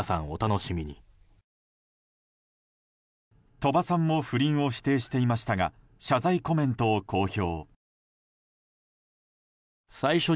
鳥羽さんも不倫を否定していましたが謝罪コメントを公表。